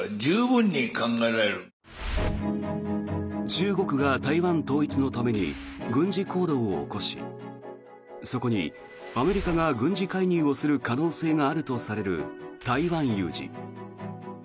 中国が台湾統一のために軍事行動を起こしそこにアメリカが軍事介入をする可能性があるとされる台湾有事。